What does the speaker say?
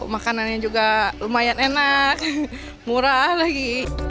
makanannya juga lumayan enak murah lagi